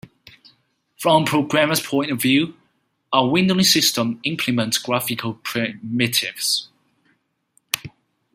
From a programmer's point of view, a windowing system implements graphical primitives.